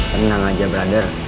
tenang aja brother